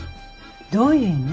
どういう意味？